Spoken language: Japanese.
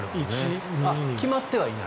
決まってはいない？